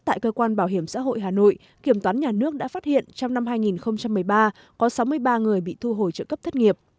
tại cơ quan bảo hiểm xã hội hà nội kiểm toán nhà nước đã phát hiện trong năm hai nghìn một mươi ba có sáu mươi ba người bị thu hồi trợ cấp thất nghiệp